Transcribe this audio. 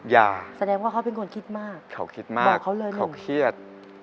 อย่าแสดงว่าเขาเป็นคนคิดมากเขาคิดมากเขาเครียด